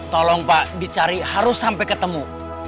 tolong pak dicari harus sampai ketemu